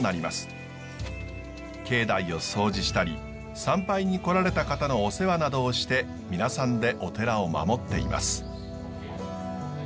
境内を掃除したり参拝に来られた方のお世話などをして皆さんでお寺を守っています。